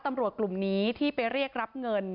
ตำรวจกลุ่มนี้ที่ไปเรียกรับเงิน